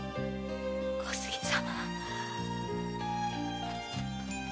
小杉様。